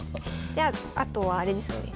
じゃああとはあれですよね。